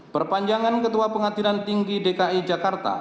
perpanjangan ketua pengadilan tinggi dki jakarta